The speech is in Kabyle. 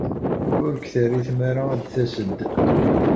Ur k-terri ara tmara ad d-tased.